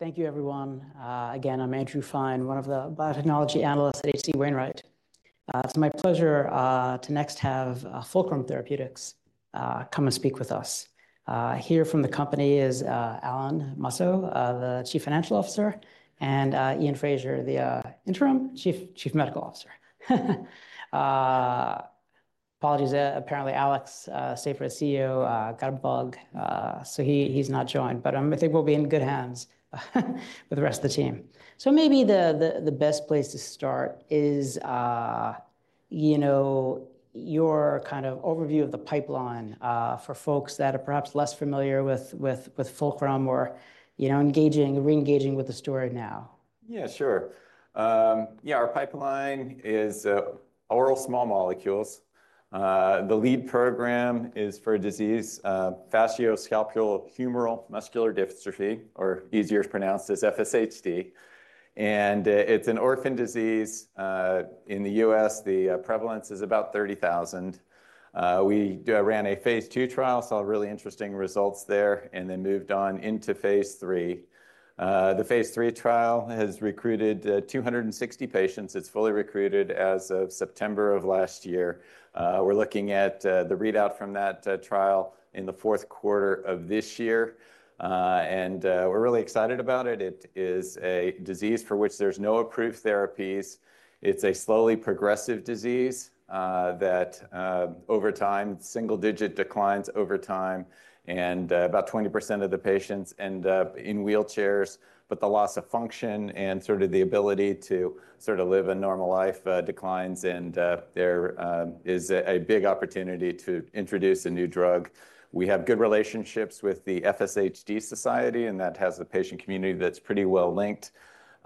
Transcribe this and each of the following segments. Great. Thank you, everyone. Again, I'm Andrew Fein, one of the biotechnology analysts at H.C. Wainwright. It's my pleasure to next have Fulcrum Therapeutics come and speak with us. Here from the company is Alan A. Musso, the Chief Financial Officer, and Iain Fraser, the Interim Chief Medical Officer. Apologies, apparently, Alex C. Sapir, CEO, got a bug, so he, he's not joined. But I think we'll be in good hands, with the rest of the team. So maybe the best place to start is, you know, your kind of overview of the pipeline for folks that are perhaps less familiar with Fulcrum or, you know, engaging, re-engaging with the story now. Yeah, sure. Yeah, our pipeline is oral small molecules. The lead program is for a disease, facioscapulohumeral muscular dystrophy, or easier pronounced as FSHD, and it's an orphan disease. In the US, the prevalence is about 30,000. We ran a phase II trial, saw really interesting results there, and then moved on into phase III. The phase III trial has recruited 260 patients. It's fully recruited as of September of last year. We're looking at the readout from that trial in the fourth quarter of this year, and we're really excited about it. It is a disease for which there's no approved therapies. It's a slowly progressive disease that over time, single-digit declines over time, and about 20% of the patients end up in wheelchairs. But the loss of function and sort of the ability to sort of live a normal life declines, and there is a big opportunity to introduce a new drug. We have good relationships with the FSHD Society, and that has the patient community that's pretty well linked.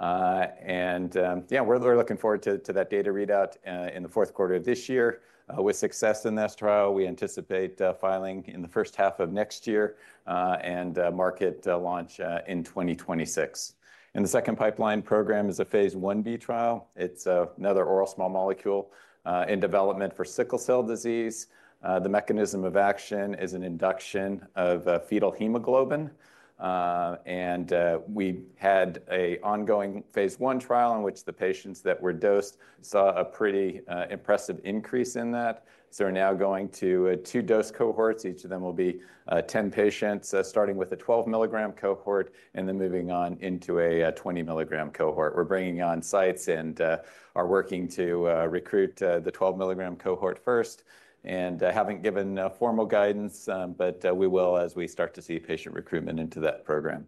Yeah, we're looking forward to that data readout in the fourth quarter of this year. With success in this trial, we anticipate filing in the first half of next year, and market launch in 2026. And the second pipeline program is a phase Ib trial. It's another oral small molecule in development for sickle cell disease. The mechanism of action is an induction of fetal hemoglobin. We had an ongoing phase I trial, in which the patients that were dosed saw a pretty impressive increase in that. So we're now going to two dose cohorts. Each of them will be 10 patients, starting with a 12-milligram cohort and then moving on into a 20-milligram cohort. We're bringing on sites and are working to recruit the 12-milligram cohort first, and haven't given a formal guidance, but we will as we start to see patient recruitment into that program.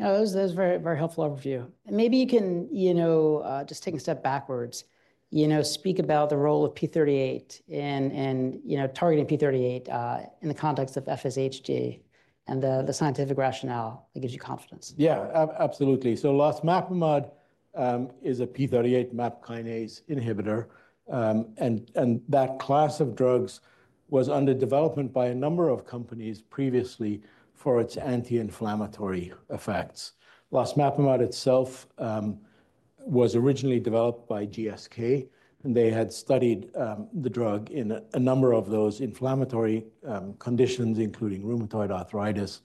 Oh, that was, that was a very, very helpful overview. Maybe you can, you know, just taking a step backwards, you know, speak about the role of p38 and, you know, targeting p38 in the context of FSHD and the scientific rationale that gives you confidence. Yeah, absolutely. So losmapimod is a p38 MAP kinase inhibitor, and that class of drugs was under development by a number of companies previously for its anti-inflammatory effects. Losmapimod itself was originally developed by GSK, and they had studied the drug in a number of those inflammatory conditions, including rheumatoid arthritis,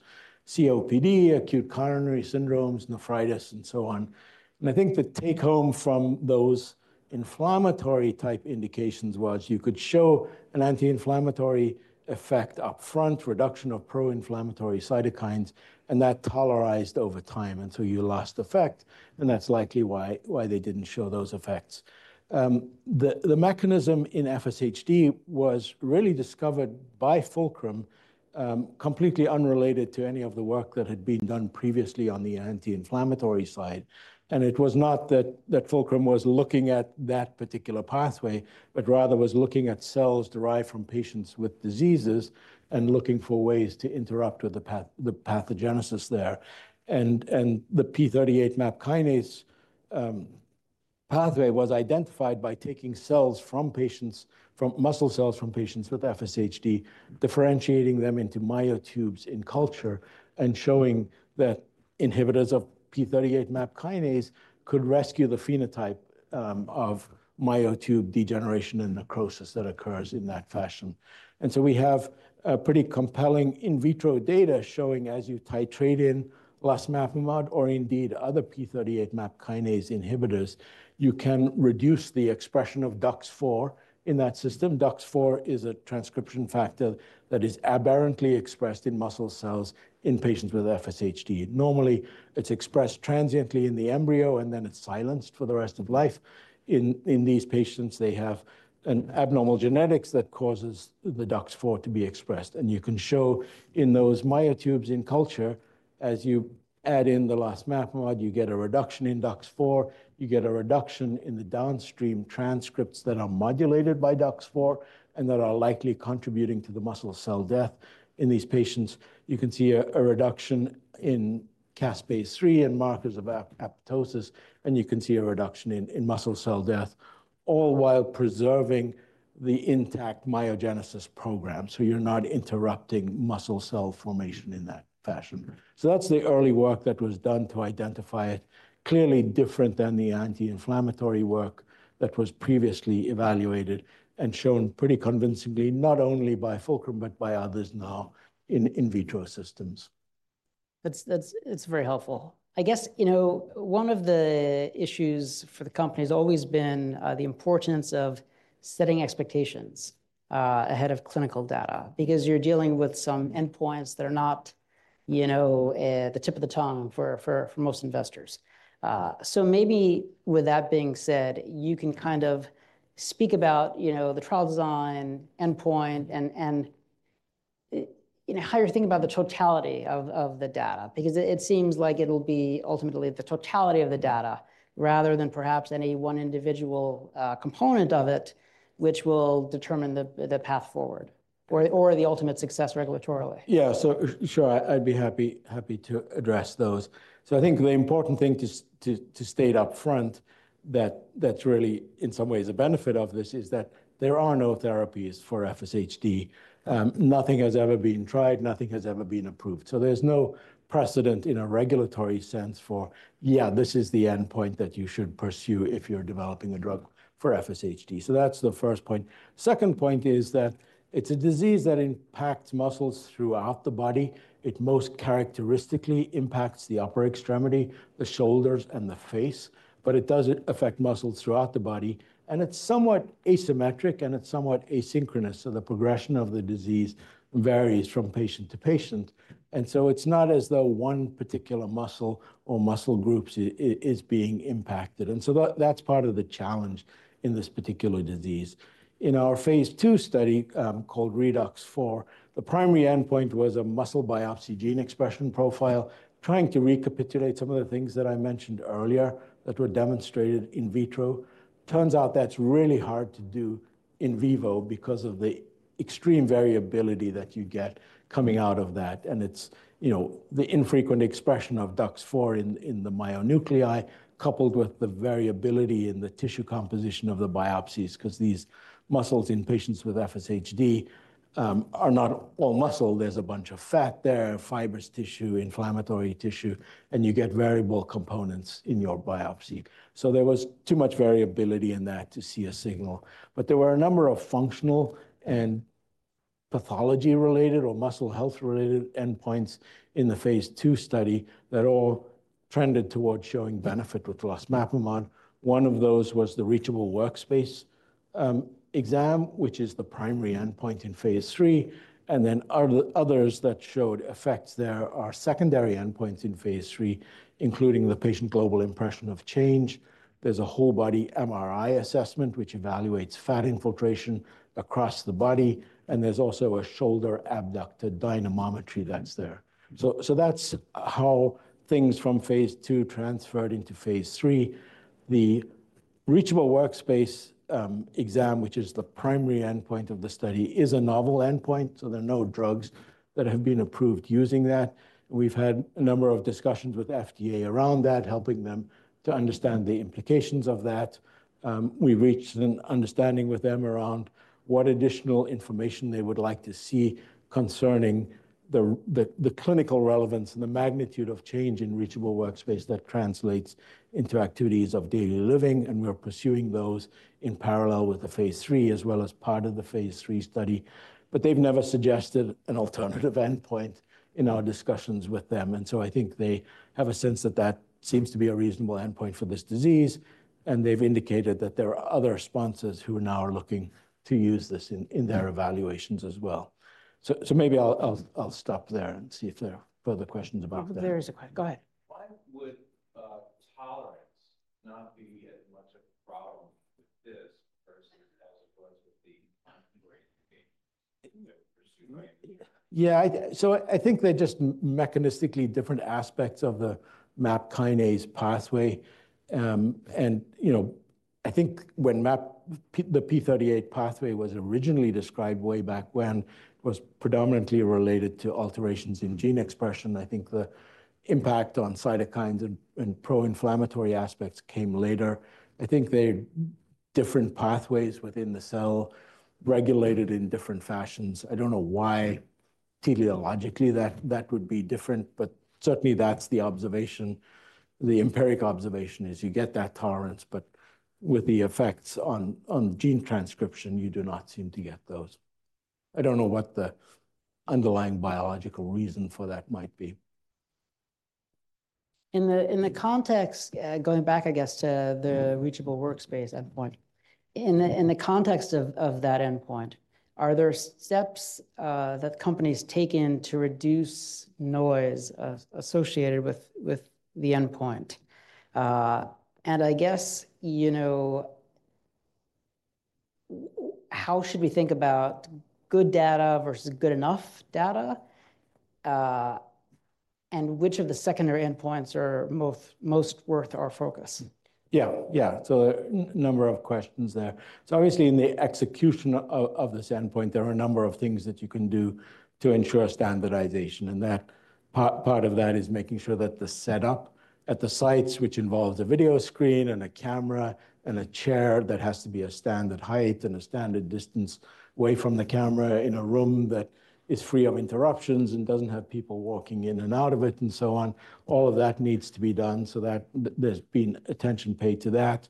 COPD, acute coronary syndromes, nephritis, and so on. And I think the take home from those inflammatory type indications was you could show an anti-inflammatory effect upfront, reduction of pro-inflammatory cytokines, and that tolerized over time, and so you lost effect, and that's likely why they didn't show those effects. The mechanism in FSHD was really discovered by Fulcrum, completely unrelated to any of the work that had been done previously on the anti-inflammatory side. It was not that Fulcrum was looking at that particular pathway, but rather was looking at cells derived from patients with diseases and looking for ways to interrupt the pathogenesis there. The p38 MAP kinase pathway was identified by taking cells from patients, from muscle cells from patients with FSHD, differentiating them into myotubes in culture, and showing that inhibitors of p38 MAP kinase could rescue the phenotype of myotube degeneration and necrosis that occurs in that fashion. So we have a pretty compelling in vitro data showing as you titrate in losmapimod or indeed other p38 MAP kinase inhibitors, you can reduce the expression of DUX4 in that system. DUX4 is a transcription factor that is aberrantly expressed in muscle cells in patients with FSHD. Normally, it's expressed transiently in the embryo, and then it's silenced for the rest of life. In these patients, they have an abnormal genetics that causes the DUX4 to be expressed. And you can show in those myotubes in culture, as you add in the losmapimod, you get a reduction in DUX4, you get a reduction in the downstream transcripts that are modulated by DUX4 and that are likely contributing to the muscle cell death. In these patients, you can see a reduction in caspase-3 and markers of apoptosis, and you can see a reduction in muscle cell death, all while preserving the intact myogenesis program, so you're not interrupting muscle cell formation in that fashion. That's the early work that was done to identify it, clearly different than the anti-inflammatory work that was previously evaluated and shown pretty convincingly, not only by Fulcrum, but by others now in vitro systems.... That's, it's very helpful. I guess, you know, one of the issues for the company has always been the importance of setting expectations ahead of clinical data, because you're dealing with some endpoints that are not, you know, the tip of the tongue for most investors. So maybe with that being said, you can kind of speak about, you know, the trial design, endpoint, and you know, how you're thinking about the totality of the data. Because it seems like it'll be ultimately the totality of the data, rather than perhaps any one individual component of it, which will determine the path forward or the ultimate success regulatorily. Yeah, so sure, I'd be happy to address those. So I think the important thing to state upfront that that's really, in some ways, a benefit of this, is that there are no therapies for FSHD. Nothing has ever been tried, nothing has ever been approved. So there's no precedent in a regulatory sense for, "Yeah, this is the endpoint that you should pursue if you're developing a drug for FSHD." So that's the first point. Second point is that it's a disease that impacts muscles throughout the body. It most characteristically impacts the upper extremity, the shoulders, and the face, but it does affect muscles throughout the body, and it's somewhat asymmetric, and it's somewhat asynchronous, so the progression of the disease varies from patient to patient. So it's not as though one particular muscle or muscle groups is being impacted, and so that's part of the challenge in this particular disease. In our phase II study, called ReDUX4, the primary endpoint was a muscle biopsy gene expression profile, trying to recapitulate some of the things that I mentioned earlier that were demonstrated in vitro. Turns out that's really hard to do in vivo because of the extreme variability that you get coming out of that, and it's, you know, the infrequent expression of DUX4 in the myonuclei, coupled with the variability in the tissue composition of the biopsies, 'cause these muscles in patients with FSHD are not all muscle. There's a bunch of fat there, fibrous tissue, inflammatory tissue, and you get variable components in your biopsy. So there was too much variability in that to see a signal. But there were a number of functional and pathology-related or muscle health-related endpoints in the phase II study that all trended towards showing benefit with losmapimod. One of those was the reachable workspace exam, which is the primary endpoint in phase III, and then the others that showed effects. There are secondary endpoints in phase III, including the patient global impression of change. There's a whole-body MRI assessment, which evaluates fat infiltration across the body, and there's also a shoulder abductor dynamometry that's there. So that's how things from phase II transferred into phase III. The reachable workspace exam, which is the primary endpoint of the study, is a novel endpoint, so there are no drugs that have been approved using that. We've had a number of discussions with FDA around that, helping them to understand the implications of that. We reached an understanding with them around what additional information they would like to see concerning the clinical relevance and the magnitude of change in reachable workspace that translates into activities of daily living, and we are pursuing those in parallel with the phase III, as well as part of the phase III study. But they've never suggested an alternative endpoint in our discussions with them, and so I think they have a sense that that seems to be a reasonable endpoint for this disease, and they've indicated that there are other sponsors who now are looking to use this in their evaluations as well. So, maybe I'll stop there and see if there are further questions about that. There is a que-- Go ahead. Why would tolerance not be as much a problem with this versus as it was with the brain game? Yeah, so I think they're just mechanistically different aspects of the MAP kinase pathway, and, you know, I think when the p38 pathway was originally described way back when, was predominantly related to alterations in gene expression. I think the impact on cytokines and pro-inflammatory aspects came later. I think they're different pathways within the cell, regulated in different fashions. I don't know why, teleologically, that, that would be different, but certainly, that's the observation. The empiric observation is you get that tolerance, but with the effects on gene transcription, you do not seem to get those. I don't know what the underlying biological reason for that might be. In the context, going back, I guess, to the reachable workspace endpoint. In the context of that endpoint, are there steps that companies take to reduce noise associated with the endpoint? And I guess, you know, how should we think about good data versus good enough data? And which of the secondary endpoints are most worth our focus? Yeah, yeah. So a number of questions there. So obviously, in the execution of this endpoint, there are a number of things that you can do to ensure standardization, and that. Part of that is making sure that the setup at the sites, which involves a video screen and a camera and a chair that has to be a standard height and a standard distance away from the camera in a room that is free of interruptions and doesn't have people walking in and out of it, and so on, all of that needs to be done so that there's been attention paid to that.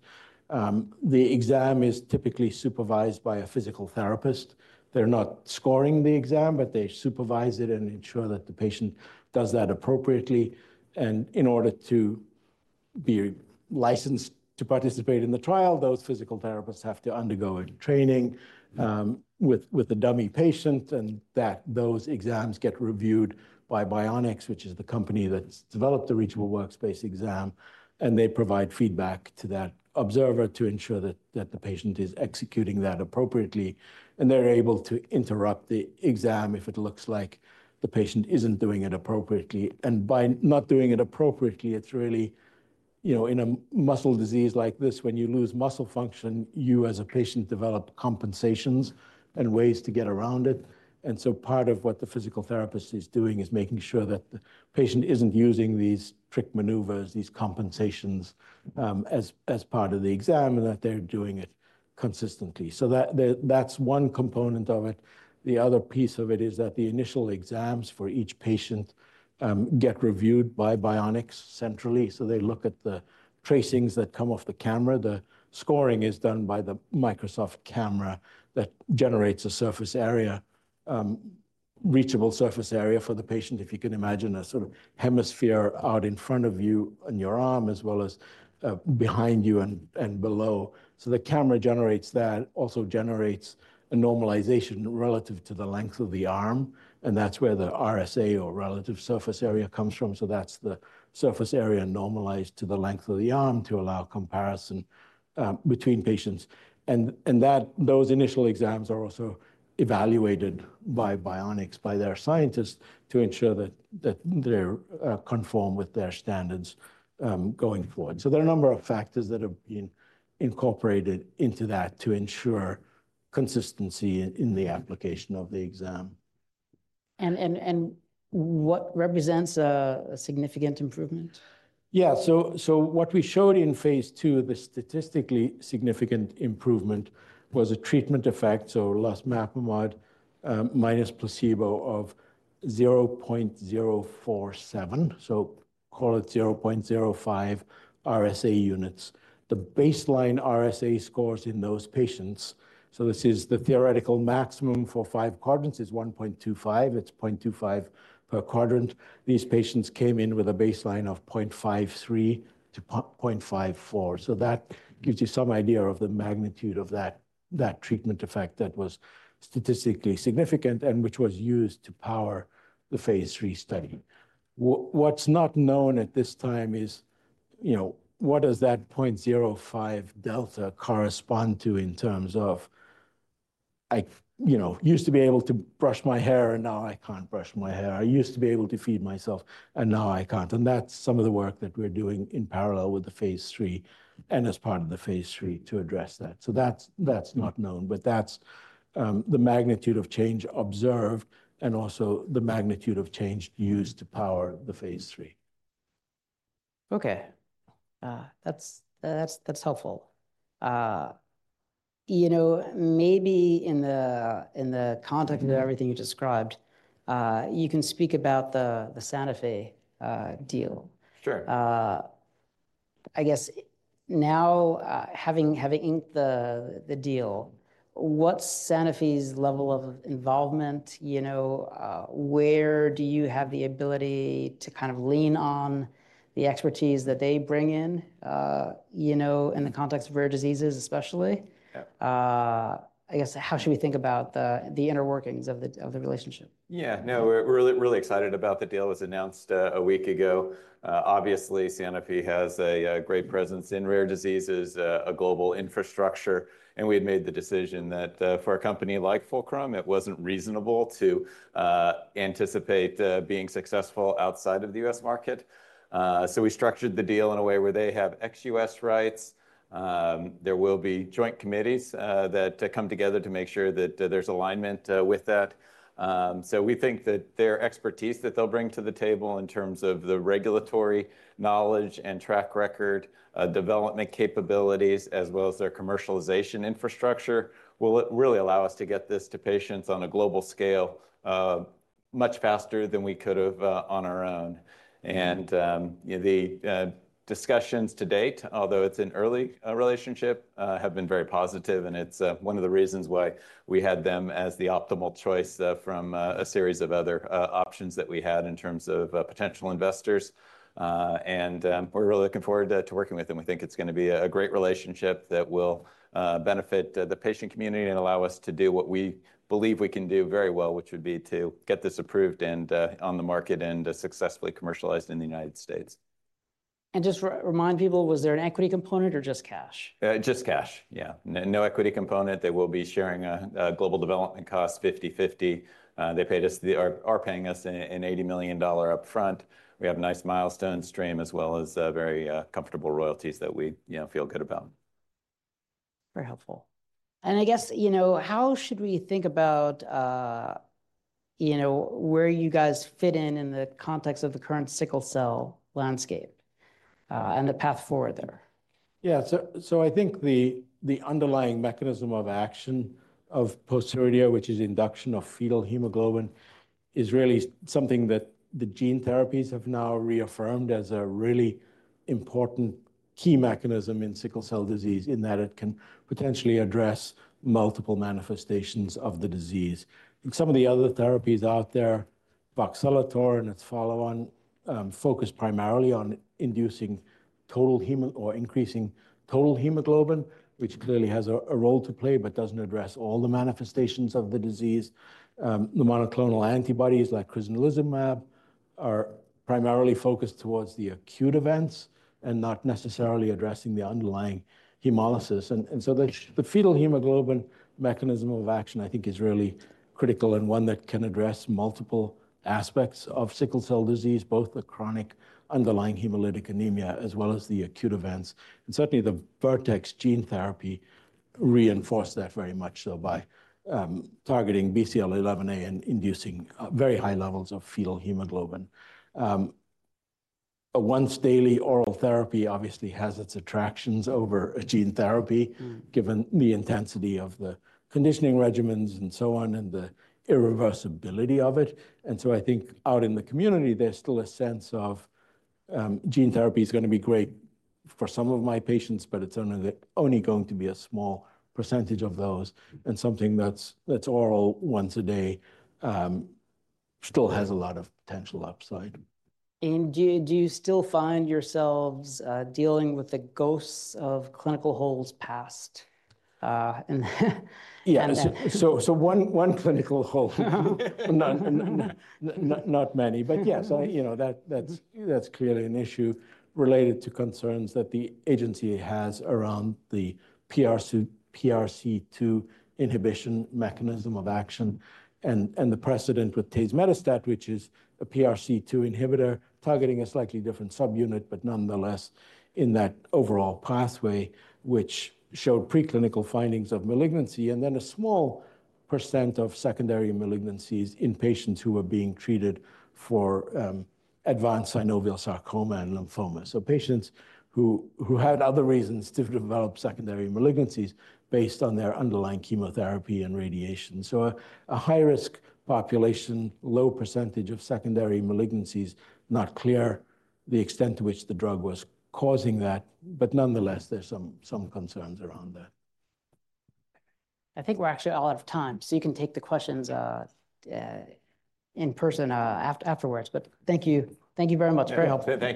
The exam is typically supervised by a physical therapist. They're not scoring the exam, but they supervise it and ensure that the patient does that appropriately and in order to-... be licensed to participate in the trial, those physical therapists have to undergo a training, with a dummy patient, and that those exams get reviewed by Bioniks, which is the company that's developed the reachable workspace exam. And they provide feedback to that observer to ensure that the patient is executing that appropriately, and they're able to interrupt the exam if it looks like the patient isn't doing it appropriately. And by not doing it appropriately, it's really, you know, in a muscle disease like this, when you lose muscle function, you, as a patient, develop compensations and ways to get around it. And so part of what the physical therapist is doing is making sure that the patient isn't using these trick maneuvers, these compensations, as part of the exam, and that they're doing it consistently. So that's one component of it. The other piece of it is that the initial exams for each patient get reviewed by Bioniks centrally. So they look at the tracings that come off the camera. The scoring is done by the Microsoft camera that generates a surface area, reachable surface area for the patient. If you can imagine a sort of hemisphere out in front of you on your arm, as well as behind you and below. So the camera generates that, also generates a normalization relative to the length of the arm, and that's where the RSA or Relative Surface Area comes from. So that's the surface area normalized to the length of the arm to allow comparison between patients. And those initial exams are also evaluated by Bioniks, by their scientists, to ensure that they conform with their standards going forward. There are a number of factors that have been incorporated into that to ensure consistency in the application of the exam. And what represents a significant improvement? Yeah. So what we showed in phase two, the statistically significant improvement was a treatment effect, so losmapimod minus placebo of 0.047, so call it 0.05 RSA units. The baseline RSA scores in those patients, so this is the theoretical maximum for five quadrants, is 1.25. It's 0.25 per quadrant. These patients came in with a baseline of 0.53 to 0.54. So that gives you some idea of the magnitude of that treatment effect that was statistically significant, and which was used to power the phase three study. What's not known at this time is, you know, what does that 0.05 delta correspond to in terms of, "I, you know, used to be able to brush my hair, and now I can't brush my hair. I used to be able to feed myself, and now I can't?" And that's some of the work that we're doing in parallel with the phase 3 and as part of the phase 3 to address that. So that's not known, but that's the magnitude of change observed and also the magnitude of change used to power the phase 3. Okay. That's helpful. You know, maybe in the context of everything you described, you can speak about the Sanofi deal. Sure. I guess now, having inked the deal, what's Sanofi's level of involvement, you know? Where do you have the ability to kind of lean on the expertise that they bring in, you know, in the context of rare diseases, especially? Yeah. I guess, how should we think about the inner workings of the relationship? Yeah. No, we're really, really excited about the deal that was announced a week ago. Obviously, Sanofi has a great presence in rare diseases, a global infrastructure, and we had made the decision that for a company like Fulcrum, it wasn't reasonable to anticipate being successful outside of the US market. So we structured the deal in a way where they have ex US rights. There will be joint committees that come together to make sure that there's alignment with that. So we think that their expertise that they'll bring to the table in terms of the regulatory knowledge and track record, development capabilities, as well as their commercialization infrastructure, will really allow us to get this to patients on a global scale, much faster than we could've on our own. The discussions to date, although it's an early relationship, have been very positive, and it's one of the reasons why we had them as the optimal choice from a series of other options that we had in terms of potential investors. We're really looking forward to working with them. We think it's gonna be a great relationship that will benefit the patient community and allow us to do what we believe we can do very well, which would be to get this approved and on the market and successfully commercialized in the United States. Just remind people, was there an equity component or just cash? Just cash. Yeah. No equity component. They will be sharing a global development cost, 50/50. They paid us... They are paying us an $80 million upfront. We have a nice milestone stream, as well as very comfortable royalties that we, you know, feel good about. Very helpful. I guess, you know, how should we think about, you know, where you guys fit in, in the context of the current sickle cell landscape, and the path forward there? Yeah, so I think the underlying mechanism of action of pociredir, which is induction of fetal hemoglobin, is really something that the gene therapies have now reaffirmed as a really important key mechanism in sickle cell disease, in that it can potentially address multiple manifestations of the disease. Some of the other therapies out there, voxelotor and its follow-on, focus primarily on inducing total hemoglobin or increasing total hemoglobin, which clearly has a role to play, but doesn't address all the manifestations of the disease. The monoclonal antibodies, like crizanlizumab, are primarily focused towards the acute events and not necessarily addressing the underlying hemolysis. And so the fetal hemoglobin mechanism of action, I think, is really critical and one that can address multiple aspects of sickle cell disease, both the chronic underlying hemolytic anemia, as well as the acute events. Certainly, the Vertex gene therapy reinforced that very much so by targeting BCL11A and inducing very high levels of fetal hemoglobin. A once-daily oral therapy obviously has its attractions over a gene therapy- Mm. Given the intensity of the conditioning regimens and so on, and the irreversibility of it. And so I think out in the community, there's still a sense of gene therapy is gonna be great for some of my patients, but it's only, only going to be a small percentage of those. And something that's oral once a day still has a lot of potential upside. Do you still find yourselves dealing with the ghosts of clinical holds past, and- Yeah, so one clinical hold. Not many. But yes, you know, that's clearly an issue related to concerns that the agency has around the PRC2 inhibition mechanism of action and the precedent with tazemetostat, which is a PRC2 inhibitor, targeting a slightly different subunit, but nonetheless, in that overall pathway, which showed preclinical findings of malignancy, and then a small percent of secondary malignancies in patients who were being treated for advanced synovial sarcoma and lymphoma. So patients who had other reasons to develop secondary malignancies based on their underlying chemotherapy and radiation. So a high-risk population, low percentage of secondary malignancies, not clear the extent to which the drug was causing that, but nonetheless, there's some concerns around that. I think we're actually all out of time, so you can take the questions in person afterwards. But thank you. Thank you very much. Very helpful. Thank you.